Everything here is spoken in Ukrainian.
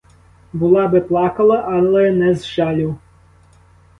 Була би плакала, але не з жалю.